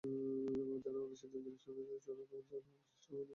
যারা বাংলাদেশকে জঙ্গি রাষ্ট্র বানাতে চায়, তারা কখনো সফল হবে না।